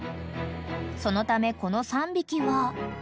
［そのためこの３匹は］